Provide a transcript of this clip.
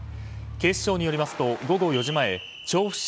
警視庁によりますと午後４時前調布市